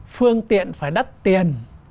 phương tiện phải đắt tiền